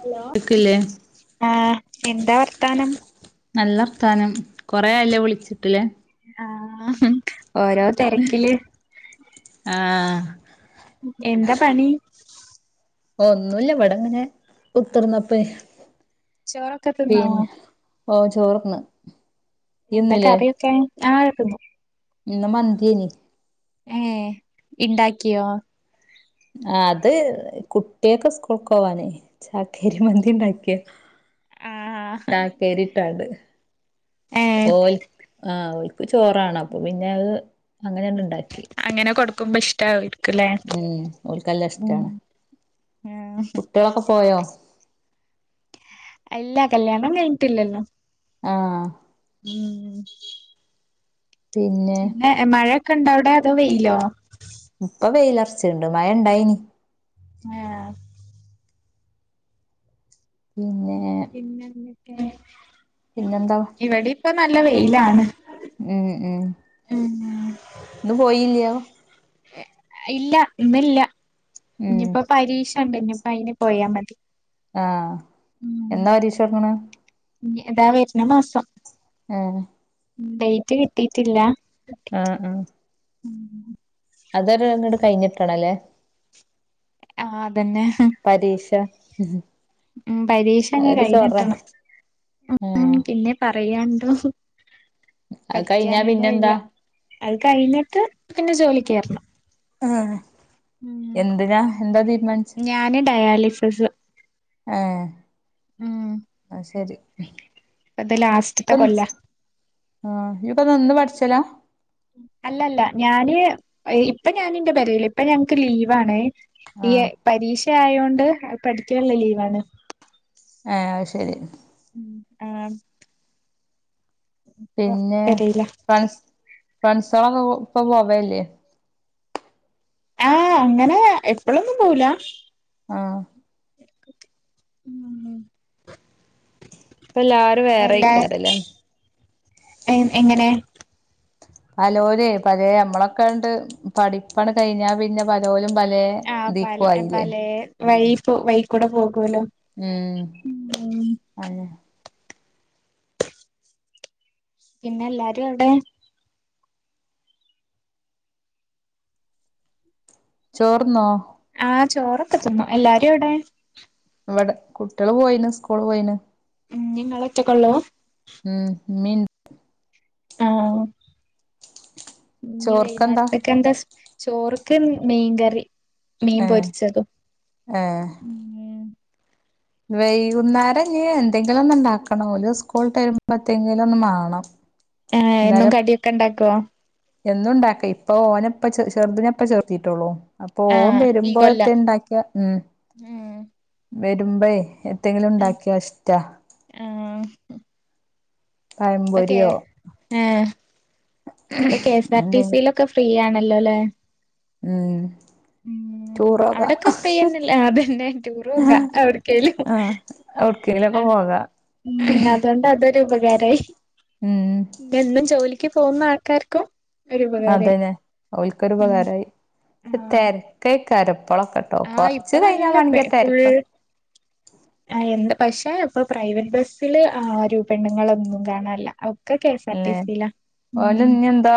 Hello കേക്കില്ലേ ആഹ് എന്താ വർത്താനം നല്ലർതാനം കൊറെേല്ലേ വിളിച്ചിട്ടില്ലേ ആഹ് ഓരോ തിരക്കില് ആഹ് എന്താ പണി ഒന്നുല്ല ഇവിടെങ്ങനെ കുത്തർന്നപ്പ ചോറൊക്കെ തിന്നോ ഓഹ് ചോർന്ന് എന്താ കറിയൊക്കെ ആ ഇന്ന് മന്തിയനി ഏഹ് ഇണ്ടാക്ക്യോ ആഹ്ത് കുട്ട്യേക്ക് സ്കൂൾക്ക് പോവാനേ ചാക്കേരി മന്തി ണ്ടാക്ക്യ ആഹ് ചാക്കേരിട്ടാണ്ട് ഏഹ് ഓൽ ആഹ് ഓൽക്ക് ചോറാണം അപ്പ പിന്നെ അഹ് അങ്ങനേണ്ട് ഇണ്ടാക്കി ക്കുമ്പ ഇഷ്ടായോൽ ഉംഹ് ഓൽക്കല്ല ഇഷ്ടാണ്. ആഹ് കുട്ട്യേളൊക്കെ പോയോ? അല്ല കല്യാണം കഴിഞ്ട്ട്ല്ലല്ലോ ആഹ് ഉംഹ് പിന്നെ എം മഴെ ക്കണ്ടവ്ടെ അതോ വെയിലോ ച്ച്ണ്ട് മഴണ്ടായിനി ഏഹ് പിന്നേ [unintelligible] ഇവടിപ്പൊ നല്ല വെയ് വെയിലാണ് ഉം ഉം ഉം ഇന്ന് പോയില്ല്യോ ഇല്ല ഇന്നില്ല ഉം ഇന്നിപ്പോ പരീക്ഷ ഇഞ്പ്പോ അയിന്പോയാമതി ആഹ് എന്താ പരീക്ഷ ഇറങ്ങണ ഇതാ വര്ണമാസം ഉഏ ഡേറ്റ് കിട്ടിട്ടില്ല ആഹ് ആഹ് അതൊരു അങ്ങട് കഴിഞ്ഞിട്ടണല്ലേ ആഹ അതന്നെ ഹും ഉഉഹും മം പരീക്ഷങ് കഴിഞ്ഞിട്ടണം. ഉം ആഹ് പിന്നെ പറയ- ആഹ അത് കഴിഞ്ഞാ പഠിക്കാനെന്നെ പിന്നെന്താ വയ്യ. അത് കഴിഞ്ഞിട്ട് പിന്നെ ജോലിക്ക് കയറണം. ആഹ് മം എന്തിനാ എന്താ തീരുമാനിച്ചെ ഞാന് ഡയാലിസി- ഷെസ [unintelligible] അഏ അയ്ശേരി ഫ്ച് ഇപ്പൊത് ലാസ്റ്റത്തെ കൊല്ല. ഇപ്പൊന്ന് പഠിച്ചോലാ അല്ലല്ല ഞാന് ഇപ്പൊ ഞാാനിന്റെ പെരേൽ ഇപ്പൊ ഞങ്ങക്ക് ലീവാണ്. ഇയ് ആഹ് പരീക്ഷ ഒക്കെ ആയോണ്ട് അത് പഠിക്കാനുള്ള ലീവാണ് അഏ അതു ശരി ആഹ് പിന്നേ -ഫ്രണ്ട്‌സ് ഫ്രൻസോളക്കെ ഇപ്പൊ പോവല്ലേ ആഹ് അങ്ങനെ എപ്പഴൊന്നും പോല ആഹ് ഉ ഇപ്പ എല്ലാരും എല്ലാ വേറെയിക്കാരല്ലേ എങ്ങനെ പലോരേ പല നമ്മളൊക്കെണ്ട് പഠിപ്പാണ് കഴിഞ്ഞാ പിന്നെ പലോലും പല ദിക്കുവായില്ലേ വൈ വൈക്കൂടെ പോകും പോവൂല ഉം അന്നെ [unintelligible] പിന്നെല്ലാരും അവിടെ ചോർന്നോ ആ ചോറൊക്കെ തിന്നും എല്ലാരും എ വിടെ ഇവിടെ കുട്ടികള് പോയിന് സ്കൂള് പോയിന് ഉ നിങ്ങള ഒറ്റക്കള്ളോ ഉം ഉമ്മയിണ്ട് ആ ആ ഇഞ് ചോർക്കെന്താ വെയ്നേരത്തെക്ക്‌ എന്താ സ്പെ ചോറക്ക് മീൻകറി മീൻ ഏഹ് പൊരിച്ചതും ഏഹ് വൈകുന്നേരം നീ എന്തെങ്കിലും ഒന്ന ഉണ്ടാക്കണ ഓല് സ്കൂളട്ട് വരുമ്പോത്തെങ്കിലും ഒന്ന് മാണം ആ ഇന്നലെ എന്നും കടിയൊക്കെ ഇണ്ടാക്കി ക്ക എന്നും ഉണ്ടാക്ക ഇപ്പ ഓനപ്പ ചെറുതിനപ്പ ചേർത്തിട്ടോള്ളൂ അപ്പൊ ഓം ആഹ് ഈ കൊല്ലം വരുമ്പോഴത്തെ ഉണ്ടാക്കിയ ഉം ആഹ് വരുമ്പേ എ എന്തെങ്കിലും ഉണ്ടാക്കിയോ ഇഷ്ടാ പക്കേ പഴംപൊരിയോ ആ ഇപ്പൊ കെഎസ് ആർ ടി എന്തെ സയിലൊക്കെ ഫ്രീ ആണ് ആണല്ലോല്ലേ ഉം ഉം ടൂറോക അവിടക്കെ ഫ്രീ തന്നെല്ലേ അതന്നെ ടൂർ പോക്ക എവിടക്കലും ആഹ് എവ്ട്ക്കേലൊക്കെ ആ പോകാ ഉം അതൊണ്ട ബ ഉപകാരമായി ഉം എന്നും ജോലി പോകുന്ന ആൾക്കാർക്കും ഒരു ഉപകാരായി അതന്നെ ഉം അവൽക്കൊരുപകാരമായി പക്ഷെ ആഹ് തിരക്ക കാരം ഇപ്പോളൊക്കെട്ടോ ആഹ് കൊറച്ച് ഇപ്പൊ കഴിഞ്ഞ നല്ല പെ ഫുൾ മണിക്കത്തെരക്ക ആഹ് എന്ത് പക്ഷെ ഇപ്പൊ പ്രൈവറ്റ് ബസ്സില് രൂപെണ്ണങ്ങളൊന്നും കാണ അല്ലെ ഓല ഇ എന്താ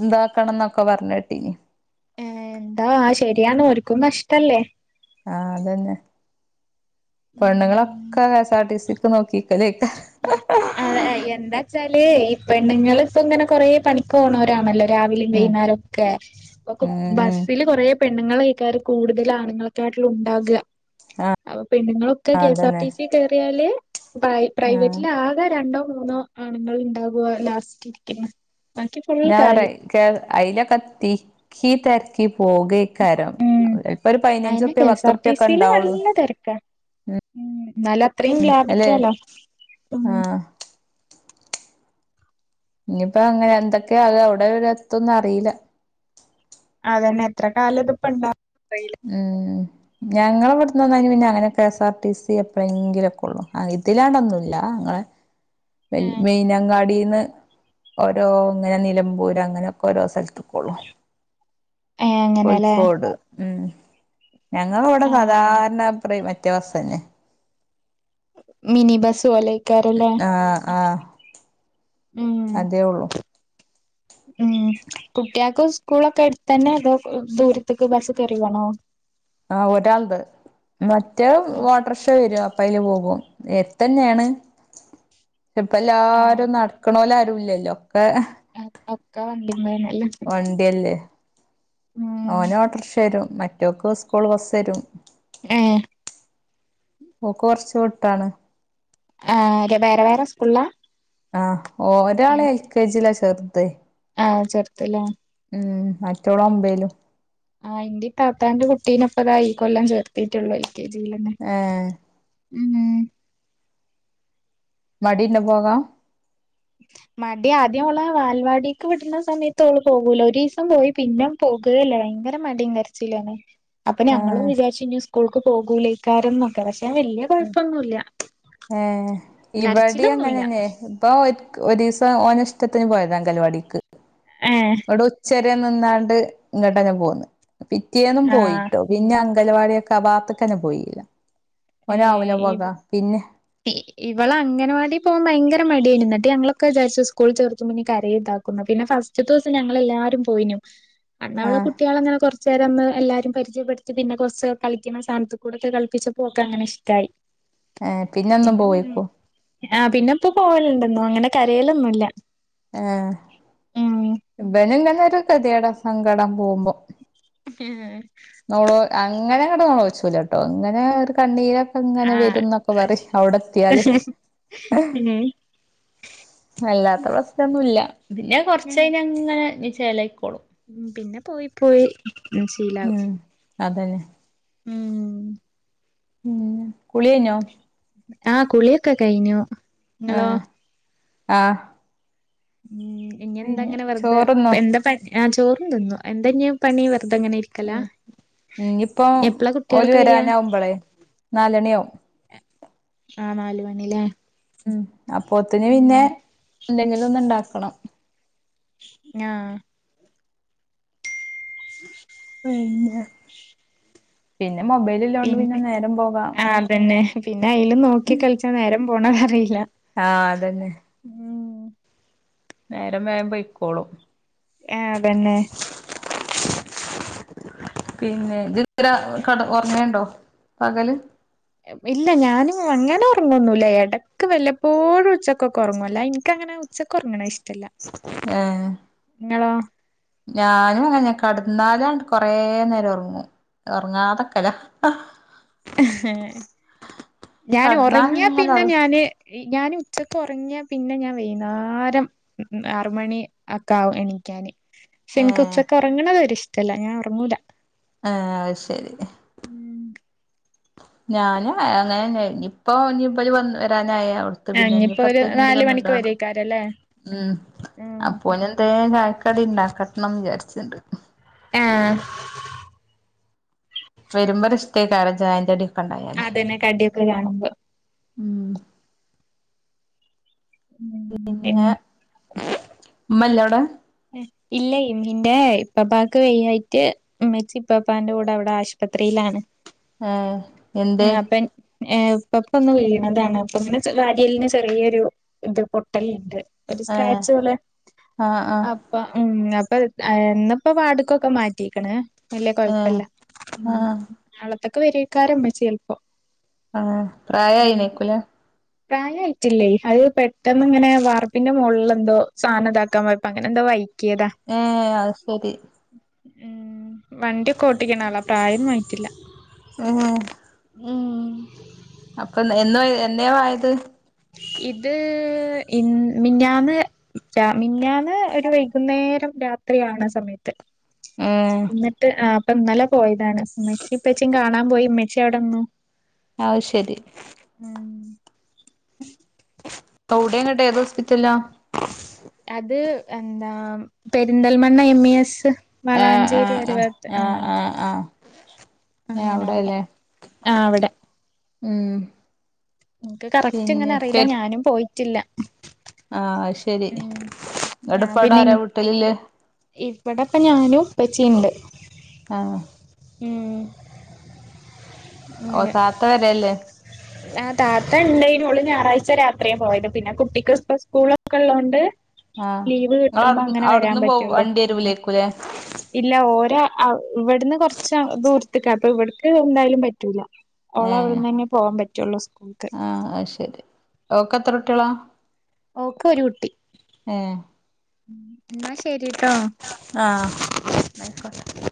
എന്താക്കണംന്ന ക്കെ പറഞ്ഞ കേട്ടി ഏ എന്താ ശരിയാണ് ഒരിക്കും നഷ്ടല്ലേ ആഹ അതന്നെ ഉം പെണ്ണുുകളൊക്കെ എസ് ആർ ടി സി നോക്കിിക്കേക്ക എന്താ വച്ചാല് ഇ പെണ്ണുങ്ങ ഇപ്പ ഇങ്ങനെ കൊറ പണിക്ക് ഓണംവരാണല്ലോ രാവിലും ഉം വൈകുന്നേരംൊക്കെ ഉം ഉം ബസില് കുറ പെണ്ണുങ്ങൾ കൾക്കാാര് കൂടുതൽ ആണുങ്ങൾക്കായിട്ടിൽ ഉണ്ടാകുക ആഹ് അ പെണ്ുങ്ങളൊക്കെ കെ എസ് ആർ അതന്നെ ടി സി കയറിയാല് ബൈ ആഹ് മൂന്നോ ആണുങ്ങൾ ഉണ്ടാാവവാ ലാസ്റ്റ് ഇരിക്കുന്നു ഞാ പറ അയിലൊക്കത്തിീക്കി തര ഉം ഒരു അയിന പതിനഞ്ചുറുപ്യ കെ എസ് ആർ പത്തുറുപ്യൊക്കെ ടിസിിയില് ഉണ്ടാവുള്ളൂ നല്ല തിരക്കാ ഉം ഉ എന്നാല അത്രയും ഉം അല്ലെ ലാഭിക്കാലോ ഉ ആഹ് ഇനിയിപ്പോ അങ്ങനെ എന്തൊക്കെയ ആക അവിടെ ഒരു എത്തന്ന അറിയില്ല അതന്നെ എത്ര കാലം ഇതിപ്പ ഇണ്ട ഉം ഞങ്ങളവിടു ന്ന പിന്നെ അങ്ങനെ K S R T C എപ്പഴെങ്കിലും ഒക്കെ ഉള്ളു ഇലാണ്ടൊന്നുമല്ല അഞങ്ങളെ െ ഏ മെയനങ്കാടിന്ന് ഓരോ ഇങ്ങനെ നിലമ്പൂര് അങ്ങനെയൊക്കെ ഓരോ സ്ഥലത്തും ഏ അങ്ങനെല്ലേ കോഴിക്കോട് ഏ ഞങ്ങള ഇവിടെ ആ സാധാരണ പ്ര വ്യത്യാവസം തന്നെ മിനി ബസ് വളേക്കാര അല്ലേ ആഹ ആ അതേ ഉള്ളു ഉം കുട്ടിയക്ക സ്കൂളൊക്കെ എടുത്ത് തന്നെ അതോ ദൂരത്തേക്ക് ബസ് കറ വണോ ആ് ഒരാളുണ്ട് മറ്റേ വാട്ടർ ഷോ വര പപ്പല് പോകും എത്തന്നെയാണ് ഇപ്പ ആഹ് എല്ലാരും നടക്കണല ല്ലല്ലോ. [unintelligible] ഒക്കെ വണ്ടിമ്മേന്നല്ലേ വണ്ടിയല്ലേ. ഉം ഓന് ഓട്ടർഷരും. മറ്റോക്ക് സ്കൂൾ ബസ് വരും. ഏ! ! ഓക്കു കൊറച്ചു വട്ടാണ്. ആഹ് ര വേരെ വേറെ സ്കൂള്ലാ? ആഹ് ഓരാള് ഏൽ കെ ജി ലാ വെറ്തെ ആ ചേർത്തില്ല [unintelligible] ഉം മറ്റോള് ഒമ്പേലും. ആ ഇന്റെ ഇക്കാക്കാന്റെ കുട്ടീനെ ഇപ്പ ഇതാ ഈ കൊല്ലം ചേർത്തിട്ടുള്ളൂ ഏ [unintelligible] [unintelligible] മടിയുണ്ടോ പോകാൻ മടി ആദ്യം അവള് വാൽവാടിക്ക് വിടുന്ന സമയത്ത് ഓള് പോകൂലാ ഒരീസം പോയി പിന്നെ പോകൂല്ലാ ഭയങ്കര മടിയ കരച്ചിലും ആണേ അപ്പൊ ആ ഞങ്ങളും വിചാരിച് ഇനി സ്കൂൾ പോകൂലെ ഇക്കാര്യം ഒക്കെ റെ - വല്യ കൊഴപ്പൊന്നൂല്ല്യ ഇവ്ടേം അങ്ങനെന്നെ ഇപ്പൊ ഒരീസം ഓന് ഇഷ്ടത്തിന് പോയതാ അംഗനവാടിക്ക് ഏഹ് [unintelligible] നിന്നാണ്ട് ഇങ്ങോട്ട് തന്നെ പോന്ന് പിറ്റേന്നും പോയി ആഹ് ട്ടോ പിന്നെ പരിപാടി ഒക്കെ ആ ഭാഗത്ത് തന്നെ പോയില്ല. ഓന് ആവൂല്ല ഏഹ് ഇവ് [unintelligible] പിന്നെ. ഇവള് അംഗനവാടിയിൽ പോകാൻ ഭയങ്കര മടിയാരുന്നു എന്നിട്ട് ഞങ്ങളൊക്കെ വിചാരിച്ചു സ്കൂൾ ചേർത്ത് മുന്നെ കരഞ്ഞു ഇതാക്കുന്നു, പിന്നെ ഫസ്റ്റത്തെ ദിവസം ഞങ്ങളെല്ലാരും പോയീനു. അന്നവിടെ ആഹ് കുട്ടികൾ അങ്ങനെ കു ചേരന്ന് എല്ലാരും പരിചയപ്പെടുത്തി പിന്നെ കൊറച്ച് കളിക്കണ സാനത്ത് കൂടൊക്കെ കളിപ്പിച്ചു. ഓക്കു അങ്ങനെ ഇഷ്ടായി. ഏഹ് പിന്നൊന്നും പിന്നെ ഉം പോയിക്കും ആഹ് പിന്നെ ഇപ്പൊ പോവലുണ്ട്. ഒന്നും അങ്ങനെ കരയൽ ഒന്നുമില്ല. ആഹ് ഇവനും ഇങ്ങനൊരു ഗതികേട് സങ്കടം. പോവുമ്പോ നമ്മള് അത്. അങ്ങനെ അങ്ങട് നോളോെച്ചൂല കേട്ടോ അങ്ങനെ ഒരു കണീരും. അങ്ങനെ ആഹ് വരന്നൊക്കെ പറയും അവിടെ എത്തിയാല് അല്ലാത്ത പ്രശ്നമെന്നുമല്ല. ഇല്ല ഉച്ച കഴിഞ്ഞു അങ്ങനെ. ചേലക്കടും പിന്നെ പോയി പോയി ഉം ശീലവും ഉം അതന്നെ ഉം ഉം കുളി കഴിഞ്ഞോ? ആഹ് കുളിയൊക്കെ കഴിഞ്ഞു. ഇങ്ങളോ? ആഹ് ആഹ് ഉം ഇനി കഴിഞ്ഞു എന്താങ്ങനെ വെറുതെ ചോറ്ന്നോ എന്താ [unintelligible] ഞാ ചോറും തിന്നു എന്ത ഇഞ്ഞി പണി വെറു ഉം ഇന്നിപ്പ എപ്പളാ ഓല് കുട്ടികളൊക്കെ വരിക വരാനാവുമ്പോളെ നാല് മണിയാവും. ആഹ് നാലുമണി ഇല്ലേ? ഉം അപ്പോത്തിന് പിന്നെ എന്തെങ്കിലും ഒന്ന് ഇണ്ടാക്കണം. ഞാഹ് പിന്നെ പി പിന്നെ ആഹ് അതന്നെ പിന്നെ അയ്ല് നോക്കി കളിച്ച് നേരം പോണ അറിയില്ല. ആഹ് അതെന്നെ. ഉം നേരം വേം പൊയ്ക്കോളും. ഏഹ് തന്നെ പിന്നെ ജ് കട് ഒർങ്ങേണ്ടോ പകല്? ഇല്ല ഞാനും അങ്ങനെ ഒർ ങ്ങൊന്നുംല്ല. എടക്ക് വല്ലപ്പോഴും ഉച്ചക്കൊക്കെ ഒർങ്ങും. അല്ലാ ഇൻക്കങ്ങനെ ഉച്ചക്ക് ഒർങ്ങണ ഇഷ്ട്ട ഏഹ്. ഞാനും അങ്ങന കട്ന്നാലാണ്ട് കൊറെ നേരം ഒർങ്ങും.. ഒർ ങ്ങാതക്കലാ. ഞാന് കടന്നാ ഒറങ്ങിയ ഇങ്ങനെ പിന്നെ ഒറ ഞാന് ഞാന് ഉച്ചക്ക് ഒർങ്ങിയാ പിന്നെ ഞാ വൈന്നാരം ആറുമണി അക്കെ ആവും എണീക്കാന്. ശ്ശെൻക്ക് ഏഹ് ഉച്ചക്ക് ഒർങ്ങണതൊ രിഷ് അല്ല ഞാ ഒർങ്ങൂല. ആഹ് അഅ് ശരി. ഞാന് അങ്ങനെന്നെ നിപ്പൊ ഇഞ്ഞ് ഇബല് വ വരാനായ അവ്ട്ത്തെ ആഹ് പിന്നെ ഇനിയിപ്പോ ഇഞ്ഞ്പ്പോ ഒരു എത്തെങ്കിലും നാല് മണിക്ക് ഒന്നുംണ്ടാണം. വരേക്കാരല്ലേ ഉം ഉം അപ്പോന് എന്തേ ചായക്കടി ഇണ്ടാക്കട്ട്ണം വിചാര്ച്ച ച്ചണ്ട്. ഏഹ്. വര്മ്പോരിഷ്ടേക്കാരെ ചായെന്റടി. അതെന്നെ കടിക്കെ കാണ്മ്പൊ ഉം. പിന്നെ ഉം ഉമ്മഇല്ല അവിടെ ഇല്ല ഇമ്മിന്റെ ഇപ്പപ്പാക്ക് വയ്യായിട്ട് ഇമ്മച്ചി ഇപ്പപ്പാന്റെ കൂടെ അവിടെ ആശുപത്രിയിലാണ് ആഹ എന്ത ഉം അപ്പം ഏഹ് ഇപ്പപ്പ ഒന്ന് വിണതാണ് അപ്പ ഇങ്ങനെ വാരിയെല്ലിന് ചെറിയൊരു ഇത് പൊട്ടലുണ്ട് ഒരു ഏഹ് സ്ക്രാച്ച് പോലെ ആഹ് ആഹ് അപ്പ ഉം ഇപ്പൊ എന്നപ്പോ വാർഡ്ക്കൊക്കെ മാറ്റിക്കണ വല്ല്യ ഏഹ് കൊഴപ്പല്ല ആഹ് ഇതൊക്കെ വരക്കാരമ്മച്ചി ചിലപ്പോ ആഹ പ്രായയിനേക്കൂല പ്രായ ആയിട്ടില്ലേ അത് പെട്ടെന്ന് ഇങ്ങനെ വാർപ്പിന്റെ മുകളിൽ എന്തോ സാധനം ഇതാക്കാൻ പോയപ്പം അങ്ങനെ എന്തോ വൈ ഏ അത്ശരി ഉം വണ്ടിക്കെഓട്ടിക്കണ ആളാ പ്രായം ഒന്നും ആയിട്ടില്ല ഏഹ് ഉം ഉം അപ്പൊ എന്നോ എന്നെയായത് ഇത് ഇ മിനിഞ്ഞാന്ന് മിനിഞ്ഞാന്ന് ഒരു വൈകുന്നേരം രാത്രിയാകണ സമയത്ത് ഏഹ് എന്നിട്ട് ആ ഇപ്പംന്നല്ലെ പോയ ഇമ്മച്ചിയും ഉപ്പിച്ചിയും കാണാ കാണാൻ പോയി ഉമ്മിച്ചി അവിടെ നിന്നു അയ് ശരി ഉം അവിടെ കേട്ടെ ഏത് ഹോസ്പിറ്റലാ അത് എന്താ പെരിന്തൽമണ്ണ എം ഇ എസ് ആഹ് വളാഞ്ചേരി ആഹ് ആഹ് അരുവത്ത് ആ ആഹ് ആഹ് ആഹ് ഏഹ് അങ്ങനെ അവിടെ അവിടെല്ലേ ആ അവിടെ ഉം എനിക്ക് കറക്റ്റ് ഇങ്ങനെ പിന്നെ അറിയില്ല പെര് ഞാനും പോയി ട്ടില്ല ആഹ് ശെരി അവിടെ ഇപ്പൊ അവിടെ ആരാ വീട്ടില് ഇവിടപ്പൊ ഞാനും ഉപ്പച്ചീണ്ട് ആഹ് ഉം ഓ അങ്ങനെ താത്ത വരലില്ലേ ആ താത്ത ഇണ്ടായിന്നു. ഓള് ഞായറാഴ്ച രാത്രിയ പോയത്. പിന്നെ കുട്ടിക്ക്‌ ഇപ്പൊ സ്കൂളൊക്കെ ഉള്ളോണ്ട് ലീവ് ആഹ് കിട്ടുമ്പോ അങ്ങനെ വരാൻ ഇങ്ങളവിടുന്ന് വൗ പറ്റുള്ളൂ വണ്ടി വരൂലേക്കുംല്ലേ ഔ ഇവിടുന്ന് കുറച്ച് ദൂരത്ക്ക ട്ടോ ഇവിടക്ക് എന്തായാലും പറ്റ [unintelligible] ഓള ഏഹ് അവിടുന്ന് തന്നെ പോവാൻ പറ്റുള്ളൂ സ്കൂൾക്ക് ഓക്കെത്ര കുട്ടിള ഓക്ക് ഒരു കുട്ടി ഉം എന്നാ ശരിട്ടോ ആഹ് [inaudible]